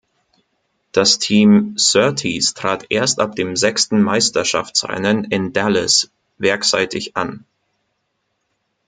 Das Team Surtees trat erst ab dem sechsten Meisterschaftsrennen in Dallas werksseitig an.